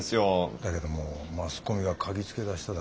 だけどもうマスコミが嗅ぎつけだしただろ。